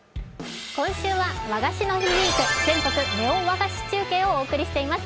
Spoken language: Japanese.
今週は和菓子の日ウイーク全国ネオ和菓子中継をお送りしています。